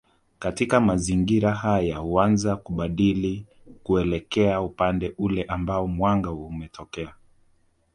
Katika mazingira haya huanza kubadili kuelekea upande ule ambao mwanga umetokea